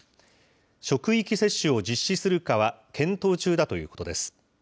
職域接種を実施するかは検討中だということです。